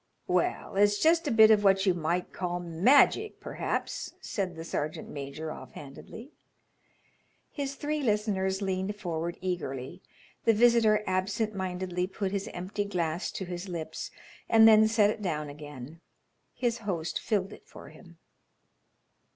"Well, it's just a bit of what you might call magic, perhaps," said the sergeant major, offhandedly. His three listeners leaned forward eagerly. The visitor absent mindedly put his empty glass to his lips and then set it down again. His host filled it for him.